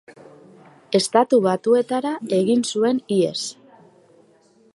Estatu Batuetara egin zuen ihes.